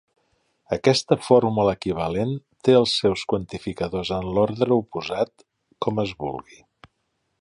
Aquesta fórmula equivalent té els seus quantificadors en l'ordre oposat, com es vulgui.